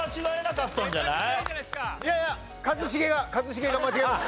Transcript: いやいや一茂が一茂が間違えました。